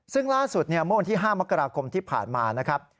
ซึ่งล่าสุดเมื่อวันที่๕มกราคมที่ผ่านมานะครับ